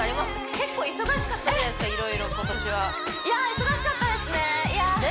結構忙しかったんじゃないですか色々今年はいや忙しかったですね